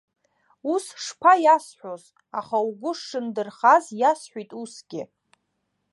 Ус шԥаиасҳәоз, аха угәы шындырхаз иасҳәеит усгьы.